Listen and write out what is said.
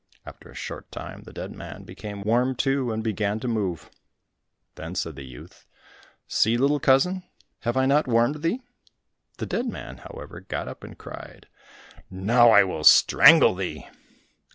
After a short time the dead man became warm too, and began to move. Then said the youth, "See, little cousin, have I not warmed thee?" The dead man, however, got up and cried, "Now will I strangle thee."